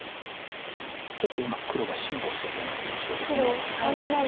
ちょっと今黒が辛抱してるような印象です。